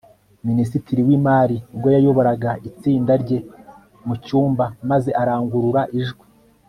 minisitiri w'imari ubwo yayoboraga itsinda rye mu cyumba maze arangurura ijwi